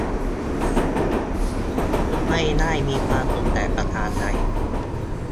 ไม่ได้มีความสุขแต่ประการใด